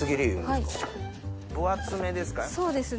分厚めですか？